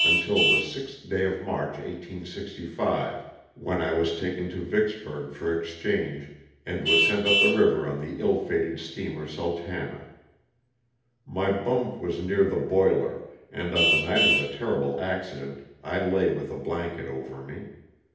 until the 6th day of March, 18G5, when I waa taken to Vicks burg for exchange and was sent up the river on the ill fated steamer "Sultana." My bunk wasnear the boiler, and on the night of the terrible accident I lay with a blanket over me.